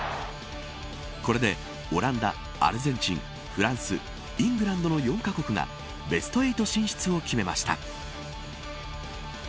これでオランダ、アルゼンチンフランス、イングランドの４カ国がベスト８進出を決めました。